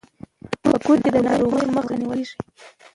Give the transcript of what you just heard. په کور کې د ناروغیو مخه نیول کیږي.